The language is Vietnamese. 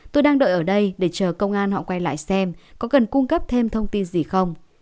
tôi đang đợi ở đây để chờ công an họ quay lại xem có cần cung cấp thêm thông tin gì không